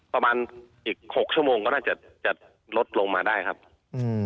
ประมาณอีกหกชั่วโมงก็น่าจะจะลดลงมาได้ครับอืม